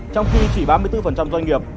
trong khi chỉ ba mươi bốn doanh nghiệp